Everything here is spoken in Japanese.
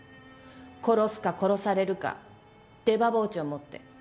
殺すか殺されるか出刃包丁持って。